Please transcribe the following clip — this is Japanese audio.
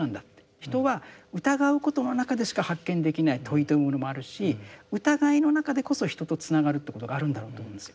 人は疑うことの中でしか発見できない問いというものもあるし疑いの中でこそ人とつながるってことがあるんだろうと思うんですよ。